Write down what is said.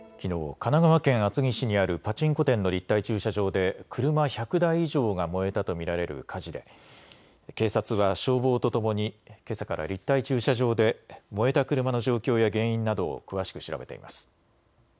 神奈川県厚木市にあるパチンコ店の立体駐車場で車１００台以上が燃えたと見られる火事で警察は消防とともにけさから立体駐車場で燃えた車の状況や原因などを詳しく調べています。